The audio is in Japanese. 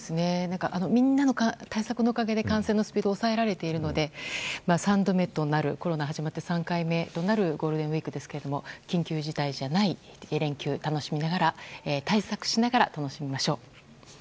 みんなの対策のおかげで感染のスピードが抑えられているのでコロナ始まって３回目となるゴールデンウィークですが緊急事態じゃない連休を楽しみながら対策をしながら楽しみましょう。